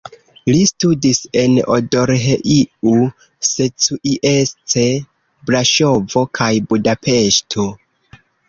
Li studis en Odorheiu Secuiesc, Braŝovo kaj Budapeŝto.